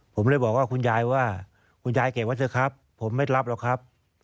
ผมเลยบอกว่าคุณยายว่าคุณยายเก็บไว้เถอะครับผมไม่รับหรอกครับ